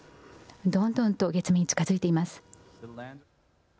どんどんと月面に近づいています。